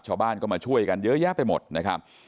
ชาวบ้านก็มาช่วยกันเยอะแยะไปหมดนะครับ